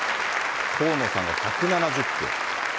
河野さんが１７０票。